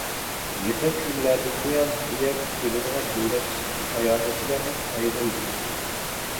يېقىنقى كۈنلەردىن بۇيان، بۇ يەرگە كېلىدىغان دۆلەت ئىچىدىكى ساياھەتچىلەرنىڭ ئايىغى ئۈزۈلمىدى.